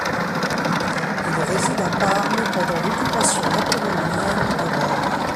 Il réside à Parme pendant l'occupation napoléonienne de Rome.